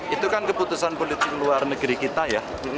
itu kan keputusan politik luar negeri kita ya